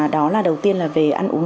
đó là đầu tiên là về ăn uống